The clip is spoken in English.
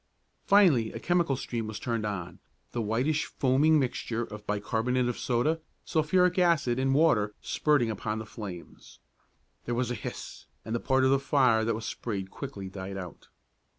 Finally a chemical stream was turned on, the whitish foaming mixture of bicarbonate of soda, sulphuric acid and water spurting upon the flames. There was a hiss, and the part of the fire that was sprayed quickly died out.